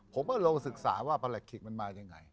ผมก็ลองศึกษาว่าประหลักฐิกมันมาอย่างไร